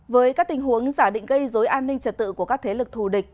với các tình huống giả định gây dối an ninh trật tự của các thế lực thù địch